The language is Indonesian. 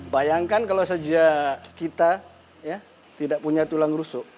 bayangkan kalau saja kita ya tidak punya tulang rusuk